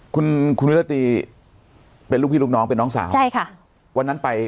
คุณคุณวิรตีเป็นลูกพี่ลูกน้องเป็นน้องสาวใช่ค่ะวันนั้นไป